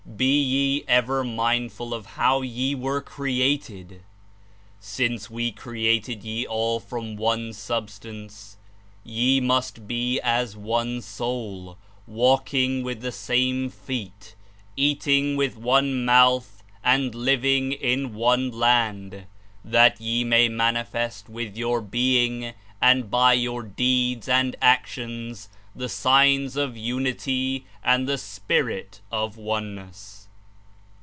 Be ye ever mindful of how ye were created. Since We created ye all from one sub stance, ye must he as one soul, walking with the same feet, eating with one mouth and living in one land, that ye may manifest with your being and by yew deeds and actions the signs of unity and the spirit of oneness.'